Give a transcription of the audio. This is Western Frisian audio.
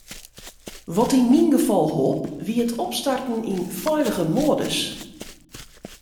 Wat yn myn gefal holp wie it opstarten yn feilige moadus.